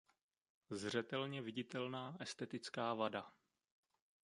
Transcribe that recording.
Zřetelně viditelná estetická vada.